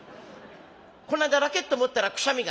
「この間ラケット持ったらくしゃみが」。